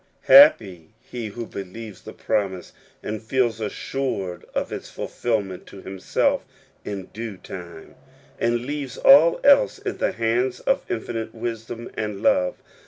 Happy he who believes the prom ise, and feels assured of its fulfillment to himself in due time, and leaves all else in the hands of infinite idadom and love.